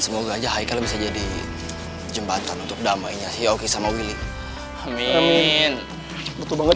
semoga aja haikel bisa jadi jembatan untuk damainya sioki sama willy amin betul banget